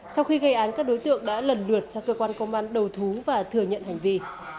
sau khi gây án các đối tượng đã lần lượt ra cơ quan công an đầu thú và thừa nhận hành vi